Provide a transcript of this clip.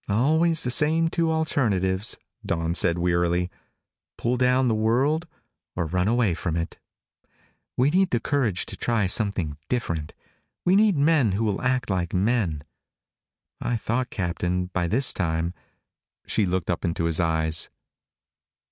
"Always the same two alternatives," Dawn said wearily. "Pull down the world, or run away from it. We need the courage to try something different. We need men who will act like men. I thought, Captain, by this time " She looked up into his eyes.